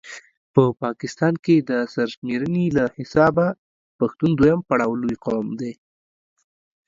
په پاکستان کې د سر شميرني له حسابه پښتون دویم پړاو لوي قام دی